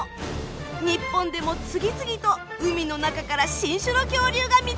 日本でも次々と海の中から新種の恐竜が見つかっています。